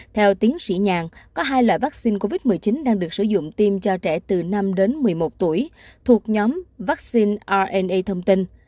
theo tiến sĩ nhàn có hai loại vaccine covid một mươi chín đang được sử dụng tiêm cho trẻ từ năm đến một mươi một tuổi thuộc nhóm vaccine rna thông tin